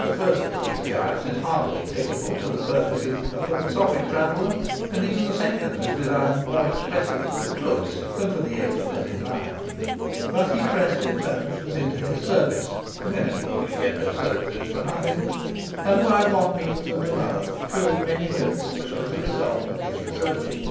The first of these guides is hardly applicable to the purposes of the philosophic traveller, and even the second is designed more expressly for the tourist than for the expert in life. But he pressed interpreters into his service whenever he could get their services for nothing and by one means and another filled many notebooks with the results of his researches.